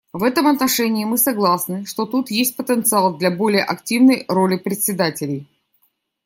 В этом отношении мы согласны, что тут есть потенциал для более активной роли председателей.